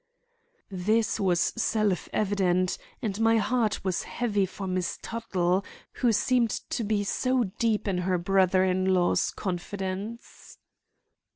This was self evident, and my heart was heavy for Miss Tuttle, who seemed to be so deep in her brother in law's confidence.